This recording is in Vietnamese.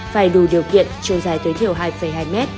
phải đủ điều kiện chiều dài tối thiểu hai hai m